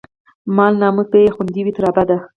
مال، ناموس به يې خوندي وي، تر ابده